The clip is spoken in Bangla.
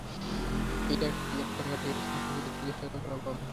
এই এক টাকা দিয়ে তোমার কুকুরের চিকিৎসা করাবো আমি।